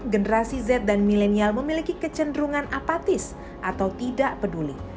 generasi z dan milenial memiliki kecenderungan apatis atau tidak peduli